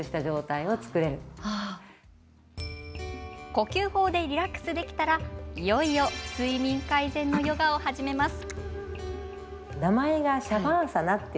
呼吸法で、リラックスできたらいよいよ睡眠改善のヨガを始めます。